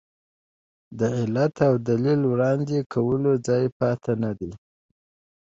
د علت او دلیل وړاندې کولو ځای پاتې نه دی.